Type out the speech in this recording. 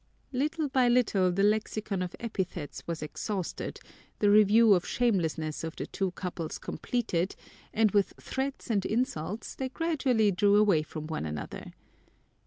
Little by little the lexicon of epithets was exhausted, the review of shamelessness of the two couples completed, and with threats and insults they gradually drew away from one another.